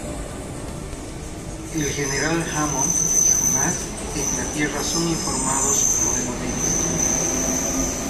El General Hammond y Jonas en la Tierra son informados luego de esto.